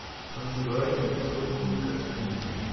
Bosgoye dispose d'une école primaire.